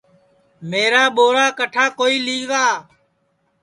میرا ٻورا کیا ٹھا کوئی لی گا